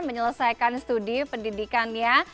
menyelesaikan studi pendidikannya